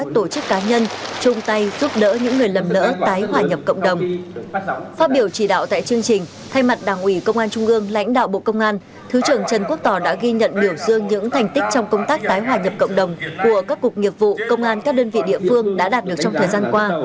thứ trưởng trần quốc tò đã ghi nhận biểu dương những thành tích trong công tác tái hòa nhập cộng đồng của các cuộc nghiệp vụ công an các đơn vị địa phương đã đạt được trong thời gian qua